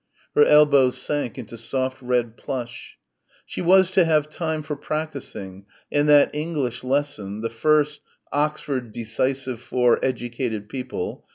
Her elbows sank into soft red plush. She was to have time for practising and that English lesson the first Oxford, decisive for educated people....